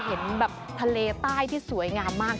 เห็นแบบทะเลใต้ที่สวยงามมาก